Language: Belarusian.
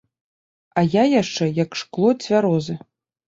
А я яшчэ як шкло цвярозы.